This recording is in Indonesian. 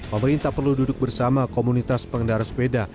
pemerintah perlu duduk bersama komunitas pengendara sepeda